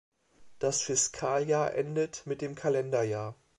Das Fiskaljahr endet mit dem Kalenderjahr.